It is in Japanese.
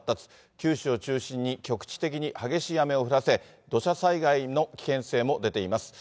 九州を中心に局地的に激しい雨を降らせ、土砂災害の危険性も出ています。